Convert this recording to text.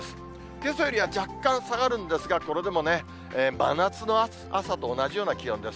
けさよりは若干下がるんですが、これでもね、真夏の暑さと同じような気温です。